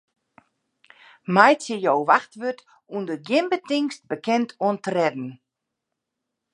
Meitsje jo wachtwurd ûnder gjin betingst bekend oan tredden.